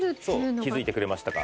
気づいてくれましたか。